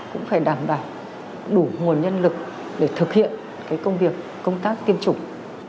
cũng phải đảm bảo đủ nguồn nhân lực để thực hiện công tác tiêm chủng